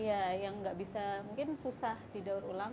iya yang nggak bisa mungkin susah didaur ulang